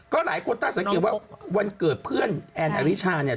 ก็หลายคนตั้งสังเกตว่าวันเกิดเพื่อนแอนอริชาเนี่ย